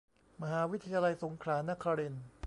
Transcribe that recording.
มหาวิทยาลัยสงขลานครินทร์